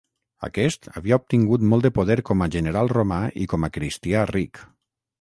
Aquest havia obtingut molt de poder com a general romà i com a cristià ric.